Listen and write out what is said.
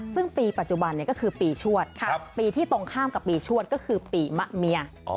ซึ่งปีปัจจุบันก็คือปีชวดปีที่ตรงข้ามกับปีชวดก็คือปีมะเมีย